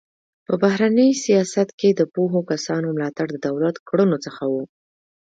په بهرني سیاست کې د پوهو کسانو ملاتړ د دولت کړنو څخه و.